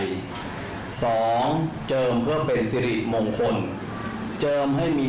ก็เป็นเรื่องของความเชื่อความศรัทธาเป็นการสร้างขวัญและกำลังใจ